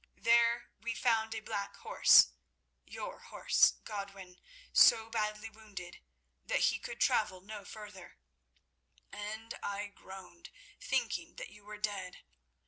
There we found a black horse—your horse, Godwin—so badly wounded that he could travel no further, and I groaned, thinking that you were dead.